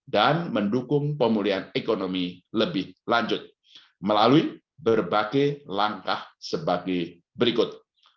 dan mendukung pemulihan ekonomi lebih lanjut melalui berbagai langkah sebagai berikut